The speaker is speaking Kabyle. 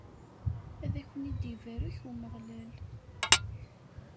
Ad aken-ibarek Umeɣlal.